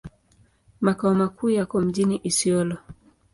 Makao makuu yako mjini Isiolo.